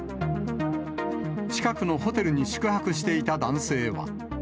近くのホテルに宿泊していた男性は。